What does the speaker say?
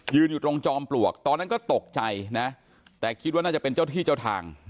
อยู่ตรงจอมปลวกตอนนั้นก็ตกใจนะแต่คิดว่าน่าจะเป็นเจ้าที่เจ้าทาง